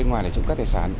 bên ngoài để trộm cắp tài sản